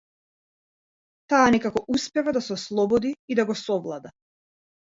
Таа некако успева да се ослободи и да го совлада.